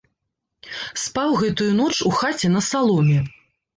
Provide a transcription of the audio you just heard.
Спаў гэтую ноч у хаце на саломе.